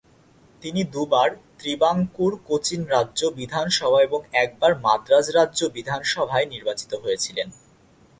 তিনি দুবার ত্রিবাঙ্কুর-কোচিন রাজ্য বিধানসভা এবং একবার মাদ্রাজ রাজ্য বিধানসভায় নির্বাচিত হয়েছিলেন।